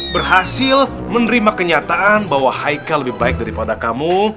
berhasil menerima kenyataan bahwa haika lebih baik daripada kamu